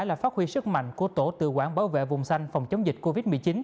là phát huy sức mạnh của tổ tự quản bảo vệ vùng xanh phòng chống dịch covid một mươi chín